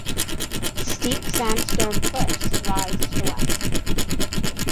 Steep sandstone cliffs rise to the west.